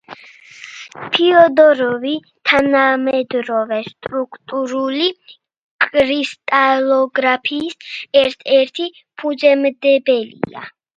ფიოდოროვი თანამედროვე სტრუქტურული კრისტალოგრაფიის ერთ-ერთი ფუძემდებელია.